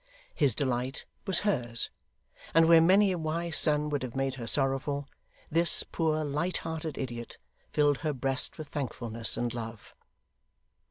His delight was hers; and where many a wise son would have made her sorrowful, this poor light hearted idiot filled her breast with thankfulness and love.